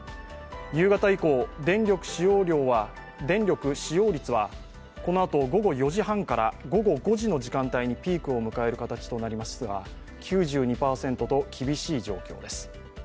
夕方以降、電力使用率はこのあと午後４時半から午後５時の時間帯にピークを迎える形となりますが、９２％と厳しい状況です。